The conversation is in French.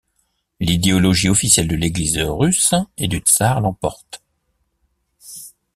L'idéologie officielle de l'Église russe et du tsar l'emporte.